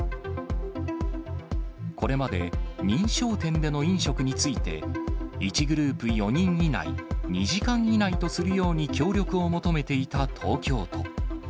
これまで認証店での飲食について、１グループ４人以内、２時間以内とするように協力を求めていた東京都。